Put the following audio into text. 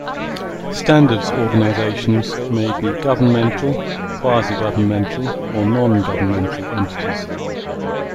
Standards organizations may be governmental, quasi-governmental or non-governmental entities.